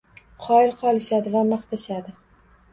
Qoyil qolishadi va maqtashadi.